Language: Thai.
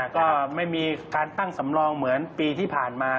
ก็ไม่มีการตั้งสำรองเหมือนปีที่ผ่านมา